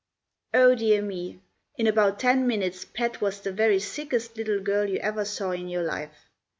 Oh—dear—me! In about ten minutes Pet was the very sickest little girl you ever saw in your life.